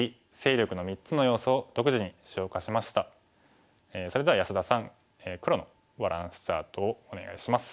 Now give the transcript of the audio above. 講座ではそれでは安田さん黒のバランスチャートをお願いします。